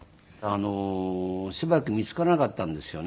しばらく見つからなかったんですよね。